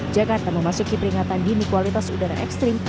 jakarta memasuki peringatan dini kualitas udara ekstrim